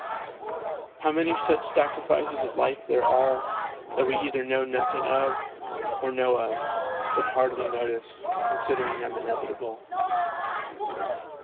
How many such sacrifices of life there are, that we either know nothing of, or know of, but hardly notice considering them inevitable.